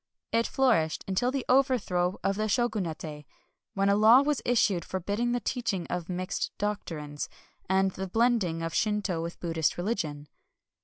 It flourished until the overthrow of the Shogunate, when a law was issued forbidding the teaching of mixed doctrines, and the blending of Shinto with Buddhist religion.